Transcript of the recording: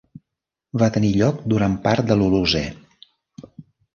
Va tenir lloc durant part de l'Holocè.